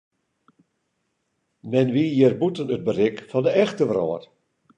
Men wie hjir bûten it berik fan de echte wrâld.